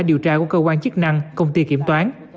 điều tra của cơ quan chức năng công ty kiểm toán